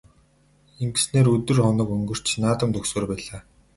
Ингэсээр өдөр хоног өнгөрч наадам дөхсөөр байлаа.